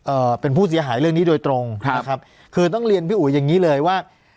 เป็นผู้เสียหายเรื่องนี้โดยตรงครับนะครับคือต้องเรียนพี่อุ๋ยอย่างงี้เลยว่า